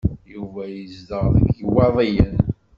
Yuba yezdeɣ deg Iwaḍiyen.